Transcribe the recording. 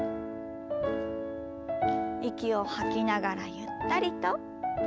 息を吐きながらゆったりと。